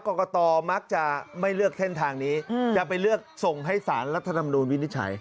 กรกตมักจะไม่เลือกเส้นทางนี้จะไปเลือกส่งให้สารรัฐธรรมนูลวินิจฉัย